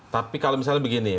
tapi kalau misalnya begini